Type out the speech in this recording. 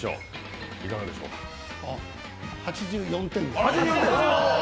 ８４点です。